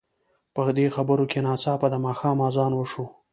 په دې خبرو کې ناڅاپه د ماښام اذان وشو.